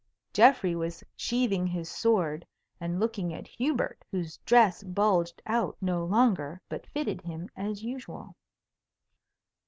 Geoffrey was sheathing his sword and looking at Hubert, whose dress bulged out no longer, but fitted him as usual.